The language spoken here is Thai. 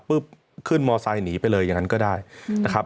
ขึ้นมอไซค์หนีไปเลยอย่างนั้นก็ได้นะครับ